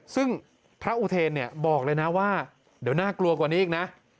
ซึ่งพระอุเทนเนี่ยบอกเลยนะว่าเดี๋ยวน่ากลัวกว่านี้อีกนะ